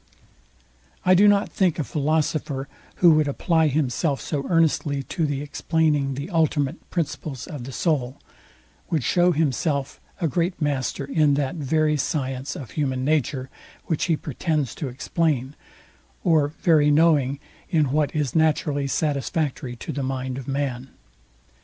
I do not think a philosopher, who would apply himself so earnestly to the explaining the ultimate principles of the soul, would show himself a great master in that very science of human nature, which he pretends to explain, or very knowing in what is naturally satisfactory to the mind of man.